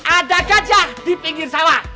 ada gajah di pinggir sawah